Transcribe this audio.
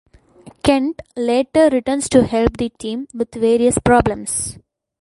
Kent later returns to help the team with various problems.